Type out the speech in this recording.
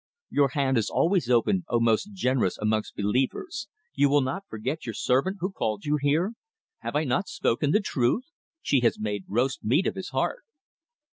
"Your hand is always open, O Most Generous amongst Believers! You will not forget your servant who called you here. Have I not spoken the truth? She has made roast meat of his heart."